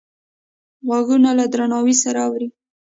غوږونه له درناوي سره اوري